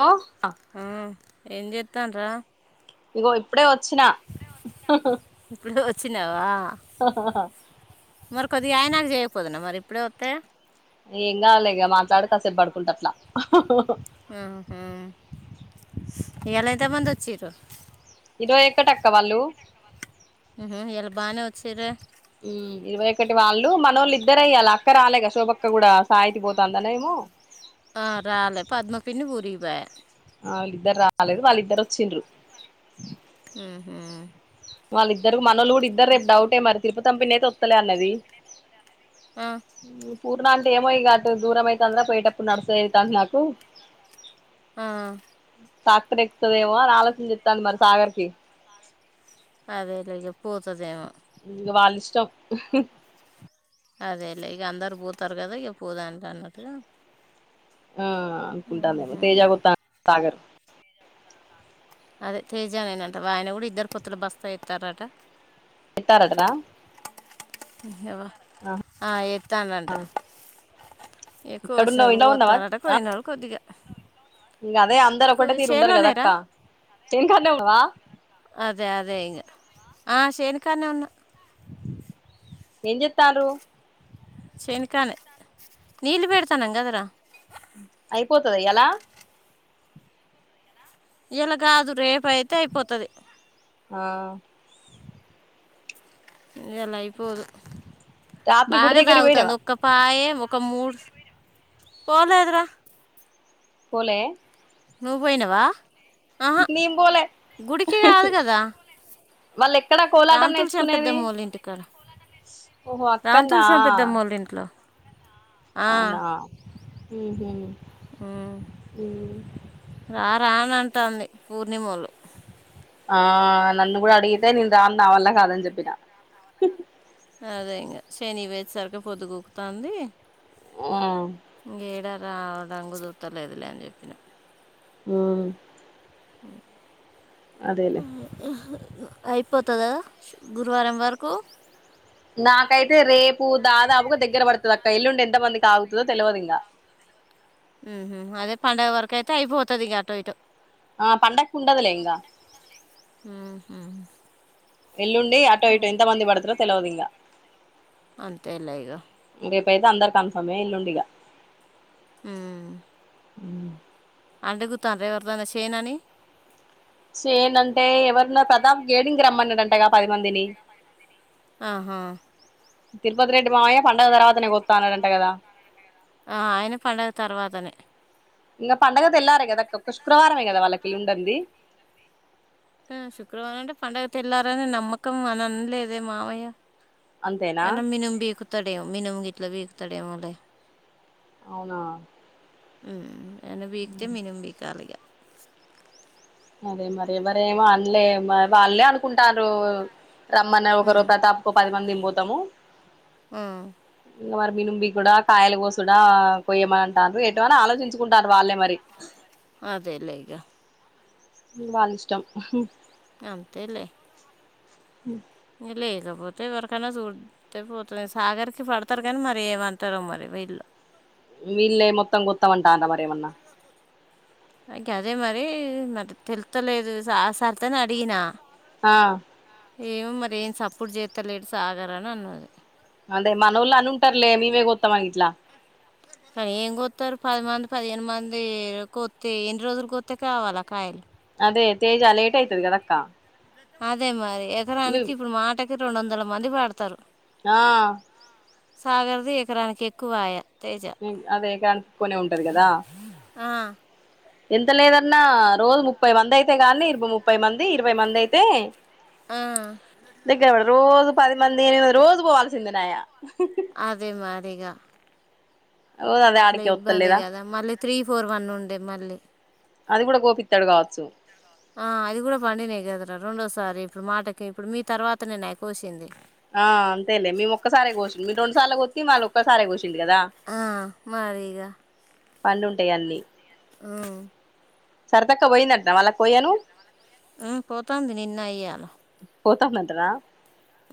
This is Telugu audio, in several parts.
లో ఊ ఏం చెత్తాం రా ఇగో ఇప్పుడే వచ్చినా హుహు చ్చినావా ఆహహా కొద్దిగాయనాక చేయకపోదునా మరి ఇప్పుడే వత్తే ఏం గావలిక మాట్లాడుతాసేపు పడుకుంట అట్లా అహ్హ్హ్ స్ ఇయాల ఎంత మంది వచ్చిర్రు? ఇరవై ఒక్కటక్క వాళ్ళు ఉహు ఇయాల బానే వచ్చిరే ఊ ఇరవై ఒకటి వాళ్ళు మనోళ్ళు ఇద్దరే ఇయ్యాల అక్క రాలే గా శోభక్క కూడా సాయి ఇంటికి పోతందనే ఏమో. ఆ రాలే పద్మ పిన్ని ఊరికి పోయే ఆ ళ్ళిద్దరు రాలేదు వాళ్ళిద్దరు వచ్చిండ్రు. ఉహు వాళ్ళిద్దరు మనోల్లు కూడా ఇద్దరు రేపు డౌటే మరి తిరుపతం పిన్ని అయితే వత్తలే అన్నది. ఆ పూర్ణ అంటే ఏమో ఇగ అట్టు దూరం అయితందరా పోయేటప్పుడు నడుస్తే అయితంది నాకు. ఆ టాక్టర్ ఎక్కుతాదేమో అని ఆలోచన చెత్తంది మరి సాగర్కి. అదేలేగా పోతదేమో ఇగ వాళ్ళిష్టం ఉహు అదేలే ఇగ అందరు పోతారు కదా ఇక పోదా అంటన్న ఆ ఉంటాందేమో తేజ కొత్తా సాగరు అదే తేజనేనంట మాయన కూడా ఇద్దరు పత్తులు బస్తా ఎత్తారట. ఇత్తారంటనా ఏవరు ఆ ఎత్తానంట ఏక్కువ ఎక్కడున్నావు వసాలు ఇంట్లో ఉన్నావా గోతాలట కోయినా కొద్దిగా ఇంక అదే అందరు కు ఒకటే తీరు ఉండరు కదా చేలోనేరా అక్క చేను కాన్నే ఉన్నావా అదే అదే ఇంగ ఆ చేనికానే ఉన్నా ఏం చేత్తన్రు నీళ్ళు పెడతానం గదరా అయిపోతదా ఇవాళ ఇయాల కాదు రేపు అయితే అయిపోతది ఆ ఇయాల అయిపోదు రాత్రి గుడి బాగా దగ్గరికి పోయినవా తాగుతుంది ఒక్క పాయ ఒ ఒక మూడు పోాలేదురా పోలే ఆహా నేను పోలే గుడికి కాదు కదా వాళ్ళు ఎక్కడ కోలాటం రాంతులు నేర్చుకునేది చంపెద్దమ్మ వాళ్ళ ఇంటికాడ ఓహో అక్కన్న రాంతులు చంపెద్దమ్మ వాళ్ళ ఇంట్లో అవునా మ్మ్ హ్హ్ మ్మ్ రా రా అని అంటాంది పూర్ణిమోల్లు ఆ నన్ను కూడా అడిగితే నేను రాను నా వల్ల కాదని చెప్పినా సరే ఇగ చేనికి పోయేచ్చేవరకే పొద్దుగుకుతంది మ్మ్ హ్ ఏడరా నాకు కుదుర్తలేదు లేదులే అని చెప్పినా హ్మ్మ్ హా హ్ అయిపోతదా గురువారం వరకు నాకైతే రేపు దాదాపుగా దగ్గర పడుతది అక్క ఎల్లుండి ఎంత మందికి ఆగుతదో తెలివదు ఇంగ మ్మ్ హ్హ్ అదే పండుగ వరకైయితే అయిపోతది ఇగ అటో ఇటో ఆ పండక్కీ వుండదులే ఇంగ మ్మ్ ఎల్లుండి అటో ఇటో ఎంత మంది పడుతరో తెలివదు ఇంగా అంతేలే ఇగ ఇప్పుడైతే అందరు కన్ఫర్మ్ ఎల్లుండి ఇగా మ్మ్ మ్మ్ అడుగుతాన్ర ఎవరిదన్నా చేను అని చేను అంటే ఎవరినో ప్రతాప్ గేడింగ్ రమ్మన్నాడంటగా పది మందిని ఆహా తిరుపతి రెడ్డి మామయ్య పండుగ తర్వాత నే కోస్తా అన్నాడంట కదా ఆ ఆయన పండుగ తర్వాతనే ఇంగా పండుగ తెళ్లారే కదా ఒక శుక్రవారమే కదా వాళ్ళకి కేళ్ళి ఉండంది ఆ శుక్రవారం అంటే పండుగ తెల్లరే అని నమ్మకంగా అనలేదే మామయ్య అంతేనా అయన మినము బికుతాడేమో మినుము గిట్ల బికుతాడేమో లే అవునా మ్మ్ ఎమన్నా బీకుతే మినుం బీకాలిగా అరే మరి మరేమో అన్లే మరి వాల్లే అనుకుంటాన్రు రమ్మన్న ఒకరు హ్మ్ ప్రతాప్ కు పది మంది మీ పోతము ఆ ఇంకా మరి మినుంబి కూడా కాయల కోసుడా కొయ్యమంటారు ఎటుఅని ఆలోచించుకుంటాన్రు వాళ్ళే మరి అదే లే ఇగా వాళ్ళ ఇష్టం అంతలే మ్మ్ లేకపోతే ఎవరికైనా చూడితే పోతుంది సాగర్కి పడతారు కానీ మరి ఏమంటారో మరి వీల్లు వీళ్ళే మొత్తం గోత్తమంటాన్ర మారేమన్నా అదే మరి మరి తెలుత్తలేదు సరిత ను అడిగిన ఆ ఏమో మరి ఏం సప్పుడు చెత్తా లేడు సాగర్ అని అన్నది. అదే మనోళ్ అనుంటార్లే. మేమే కొత్తాం అని గిట్ల కానీ ఏం కొత్తారు? పదిమంది, పదిహేను మంది కొత్తే ఎన్ని రోజులు కొత్తే కావాల కాయలు? అదే తేజ లేట్ అయితది కదక్కా! అదే మరి ఎకరానికి ఇప్పుడు మాటకి రొండొందల మంది పడతారు. ఆ సాగర్ది ఎకరానికి ఎక్కువాయ. తేజ మ్ అదే కనుక్కొనే ఉంటారు కదా! ఆ ఎంత లేదన్నా రోజు ముప్పై మంది అయితే కాన్ది, ఇరుబు ముప్పై మంది, ఇరవై మందయితే ఆ రోజు పది మంది, ఎనిమి మంది రోజు పోవాల్సిందినాయా అదేమారిగ రోజు అదే అట్ల ఆడికే ఇబ్బంది వత్తలేదా కదా! మళ్ళీ త్రీ ఫోర్ వన్ ఉండె మళ్ళీ అది కూడ గోపిత్తాడు కావచ్చు. ఆ అది కూడా పండినాయి కదరా. రెండోసారి ఇప్పుడు మాటకి ఇప్పుడు మీ తర్వాత నే నయ కోసింది. ఆ అంతేలే మేము ఒక్కసారె కోసింది. మీరు రొండు సార్లు కొత్తి మాలొక్కసాలె కోస్ ఆ మరీగ పండుంటాయి అన్నీ. ఆ సరితక్క పోయిందంటనా వాళ్లకు కొయ్యను? ఆ పోతాంది నిన్న ఇయ్యాల పోతాందంటనా?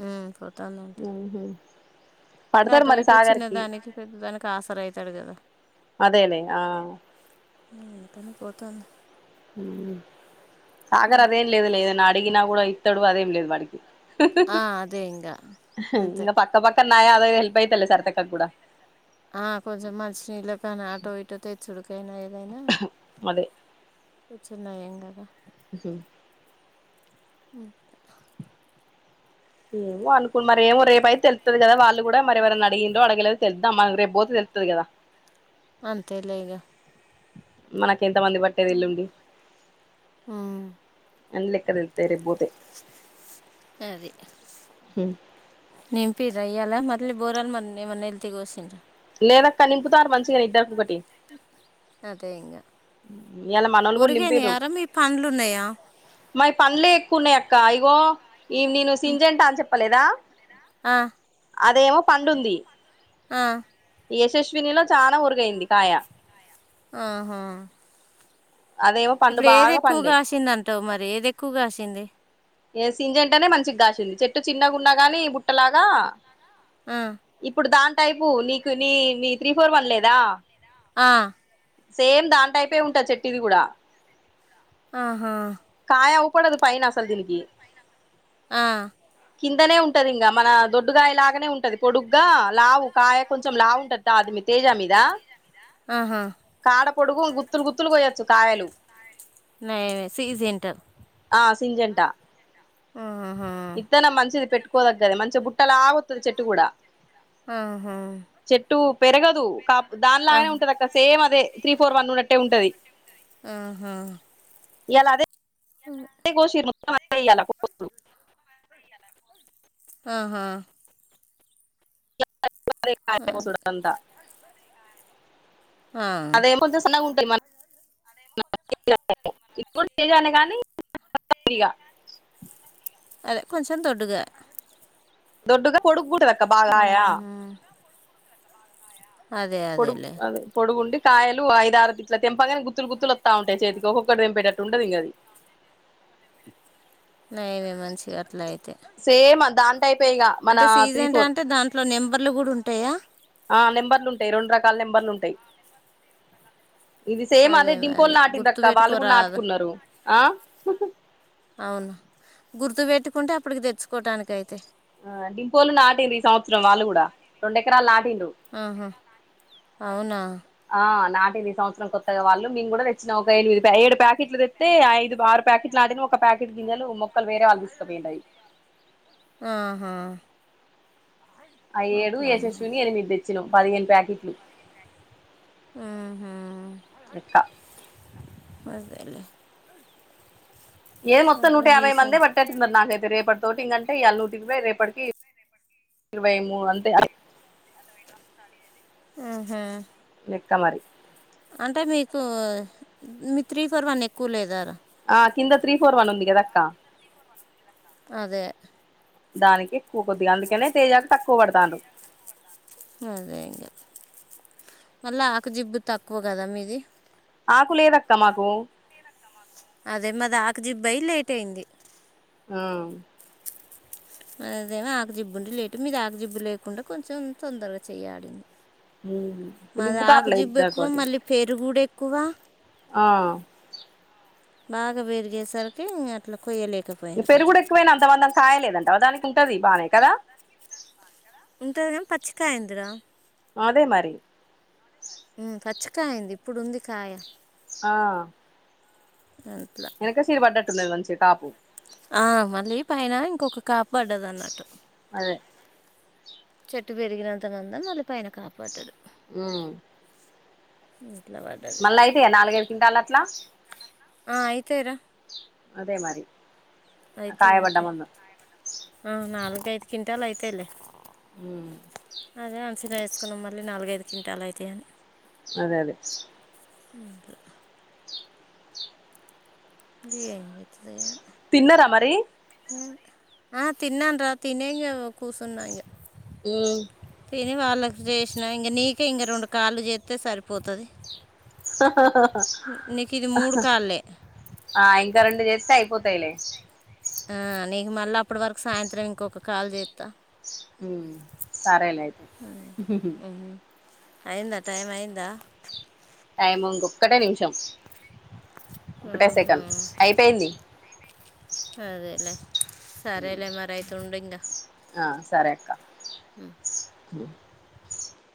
మ్ పోతాందంట. ఉహు ఇంగ పడతారు అటో మరి ఇటో సాగర్ కి చిన్నదానికి పెద్దదానికి ఆసర అయితాడు కదా! అదేలేే. ఆ. మ్ అందుకని పోతాంది. మ్ సాగర్ అదేం లేదు లేదన్న అడిగినా కూడ ఇత్తడు. అదేం లేదు వాడికి. ఆ అదే ఇంకా అంతే ఇంగ పక్క పక్క ఉన్నాయ అవే హెల్ప్ అయితయిలే సరితక్కకి కూడ. ఆ కొంచెం మంచినీళ్ళకైన ఆటో ఇటో తెచ్చుడుకయినా ఏదైనా వచ్చున్నాయంగా మ్ హు మ్ ఏమో అనుకున్ మరేమో రేపు అయితే తెలుత్తది కదా! వాళ్ళు కూడా మరెవరన్న అడిగిండ్రో, అడగలేదొ తెలుదామా రేప్ పోతే తెలుత్తది కదా! అంతేలే ఇగ మనకి ఎంత మంది పట్టేది ఎల్లుండి. అన్ని లెక్క తెలుత్తాయి రేప్ బోతె. అది నింపి రై ఇయాల మొద్లీ బోరనుమన్న ఏమన్న ఎల్తి గోసిన్రా లేదక్క నింపుతారు మంచిగా ఇద్దరు ముగ్గుర్ అదే ఇంగ ఇయాల మనోళ్లు కూడా నింపిర్రు. పండ్లు ఉన్నాయా మాయి పన్లే ఎక్కువున్నాయి అక్క. ఇగో ఇ నేను సింజంటా అని చెప్పలేదా? ఆ అదేమో పండుంది. ఆ యశస్వినిలో చాలా ఉరుగైంది కాయ. ఆహా అదేమో పండు ఇప్పుడు బాగా ఏదెక్కువ పండే కాసిందంటావు! మరేదెక్కువ కాసింది? ఏ సింజంటనే మంచిగాసింది చెట్టు చిన్నగున్నా గాని బుట్ట లాగా ఆ, ఇప్పుడు దాని టైపు నీకు నీ నీ త్రీ ఫోర్ వన్ లేదా ఆ సేమ్ దాని టైపే ఉంటది చెట్టుది గూడా ఆహా ఆయౌపడదు పైన అసలు దీనికి ఆ కిందనే ఉంటది ఇంగా మన దొడ్డుగాయ లాగనే ఉంటది పొడుగ్గా లావు కాయ కొంచం లావు ఉంటది మీ తేజామీదా ఆహా పొడుగు గుత్తులు గుత్తులు కోయొచ్చు కాయలు నయమే సిజింటర్ ఆ సింజంటా ఆ ఇత్తనం మంచిది పెట్టుకోదగ్గది మంచిగా బుట్టలా వత్తది చెట్టు గూడా ఆహా పెరగదు కా దాని లాగానే ఆహా ఉంటది అక్క సేమ్ అదే త్రీ సేమ్ అదే ఫోర్ వన్ త్రీ ఉన్నట్టే ఫోర్ వన్ ఉంటది ఉన్నట్టే ఉంటది. ఆహా ఇయ్యాల అదే అదే గోసిరు మొత్తం ఇయ్యాల పొద్దు ఆహా ఎారే కాయ అదే సుడందా [unintelligible] ఆ అదేమో కొంచం సన్న ఉంటది మన [unintelligible] అదే కొంచెం దొడ్డుగా దొడ్డుగా పొడుగుంటదక్క బాగ గాయా ఆహా. అదే పొడు అదేలే అదే పొడుగుండి కాయలు ఐద్ ఆరు గిట్లా తెంపగానే గుత్తులు గుత్తులు వస్తా ఉంటాయి చేతికి ఒక్కొక్కటి తెంపేటట్టు ఉండదు ఇంగది [inaudible] నయమే మంచిగా అట్లా అయితే సేమ్ దాని టైపే ఇగ మన అంటే త్రీ సీజంట్ ఫోర్ అంటే దాంట్లో నెంబర్లు గూడా ఉంటాయా ఆ నెంబర్లు ఉంటాయి రెండు రకాల నెంబర్లు ఉంటాయి ఇది సేమ్ అదే మరి డింపోల్ నాటిందక్క వాళ్ళు గూడా గుర్తుపెట్టుకోరాదు నాటుకున్నారు ఆ అవునా గుర్తు బెట్టుకుంటే అప్పటికి దెచ్చుకోటానికి అయితయ్ ఆ డింపోలు నాటిర్రు ఈ సంవత్సరం వాళ్ళు కూడా రెండెకరాలు నాటి ఆహా అవునా నాటిరు ఈ సంవత్సరం కొత్తగా వాళ్ళు మేము గూడా తెచ్చినా ఒక ఎనిమిది ఏడు ప్యాకెట్లు తెత్తే ఐదు ఆరు ప్యాకెట్లు అ ఒక ప్యాకెట్ గింజెలు మొక్కలు వేరే వాళ్ళు దీస్కబోయిరు అవి ఆహా అయి ఏడు అట్లానా యశస్విని ఎనిమిది దెచ్చినాం పదిహేను ప్యాకెట్లు హుహూ లెక్క సలే [unintelligible] ఏ మొత్తం నూట యాబై మంది పట్టినట్టున్నారు నాకైతే రేపటి తోటి ఇంగ అంటే ఇయ్యాల నూటిర్వై రేపటికి ఇరవై మూడు అంతే హుహూ లెక్క మరి అంటే మీకు మీ త్రీ ఫోర్ వన్ ఎక్కువ లేదారా ఆ కింద త్రీ ఫోర్ వన్ ఉందిగదక్కా అదే దానికి ఎక్కువ కొద్దిగా అందుకనే తేజాకు తక్కువ పడతారు అదే ఇంకా మళ్ళా ఆకుజిబ్బు తక్కువ గదా మీది ఆకులేదక్క మాకు అదే మదాకజిబ్ అయి లేట్ అయింది ఆ.. మదేమో ఆకజిబ్బు ఉండి లేట్ మీది ఆకజిబ్బు లేకుండా కొంచెం తొందరగా చేయలని మాది ఆకు నింపుతారులే జిబ్బు ఎక్కువ ఇద్దరికోటి మళ్ళీ పెరుగుడు ఎక్కువ ఆ.. బాగా పెరిగేసరికి అట్లా కొయ్యలే పెరుగుడు ఎక్కువైనా అంత మందం కాయలేదంట దానికి ఉంటది బానే కదా తేరం పచ్చిక అయ్యిద్ర అదే మరి పచ్చికాయింది. ఇప్పుడు ఉంది కాయ ఆ.. హెల్ప్ ల కిందది మంచి కాపు కాపాడదన్నట్టు అదె చెట్టు పెరిగినంత మందం వాళ్లు పైన కాపా ట్టదు హ్మ్ హ్మ్ మళ్ళ అయితయ నాలుగైదు కింటాల్ లట్ల అయితేరా అదే మరి అయితయ్ కాయబడ్డ అయితయ్ మందం ఆ నాలుగైదు కింటాల్ అయితయ్లే హ్మ్ సీద ఏసుకున్నం మళ్ళీ నాలుగైదు క్వింటాల్ అయితాయని అదె అదె ఇంక ఏం జెత్తదొ ఏమో తిన్నర మరీ ఆ తిన్నాన్రా తినే ఇంగ కూసున్న ఇంగ ఉమ్ తెనివార్లేదు జేస్న ఇంగ నీకే ఇంగ రొండు కాళ్ళు జేత్తే సరిపోతది మూడు కాళ్ళే ఆయ్ ఇంక రెండు చేస్తే అయ్పోతాయిలే ఆ నీక్ మళ్ల అప్పటి వరకు సాయంత్రం ఇంకొక కాల్ జేత్త హ్మ్ సరేలే అయితె అయ్యింద టైమ్ అయ్యిందా టైము ఇంకొక్కటే నిమిషాం ఊహు సరేలే సరేలే మరి అయితె ఉండు ఇంగ ఆ సరే అక్క హ్మ్ [inaudible]